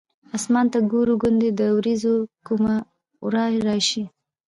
اسمان ته ګورو ګوندې د ورېځو کومه ورا راشي.